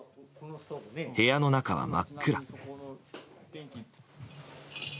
部屋の中は真っ暗。